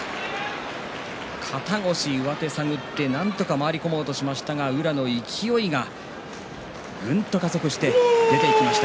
肩越し、上手を探ってなんとか回り込もうとしましたが宇良の勢いがどんどん加速して出ていきました。